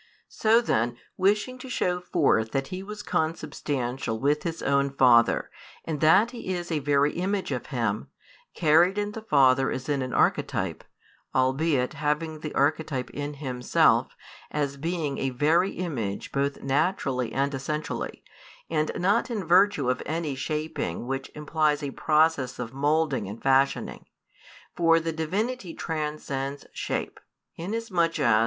So then, wishing to show forth that He was Consubstantial with His own Father, and that He is a Very Image of Him; carried in the Father as in an Archetype, albeit having the Archetype in Himself, as being a Very Image both naturally and essentially, and not in virtue of any shaping which implies a process of moulding and fashioning; for the Divinity transcends shape, inasmuch as.